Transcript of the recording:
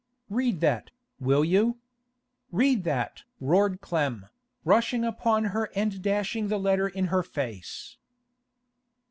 'Read that, will you? Read that?' roared Clem, rushing upon her and dashing the letter in her face.